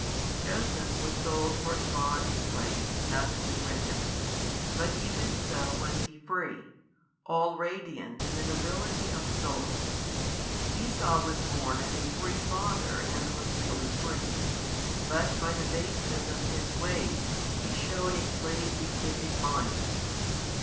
Joseph was sold for a bond slave, as it is written, but even so was he free, all radiant in the nobility of soul: Esau was born of a free father and was really free, but by the baseness of his ways he shewed a slave befitting mind.